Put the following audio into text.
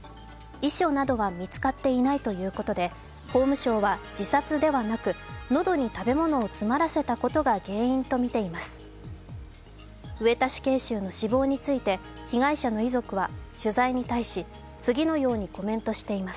遺書などは見つかっていないということで、法務省は自殺ではなく、喉に食べ物を詰まらせたことが原因とみています。